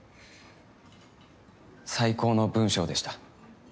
最高の文章でした。